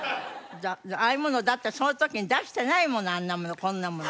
ああいうものだってその時に出してないものあんなものこんなもの。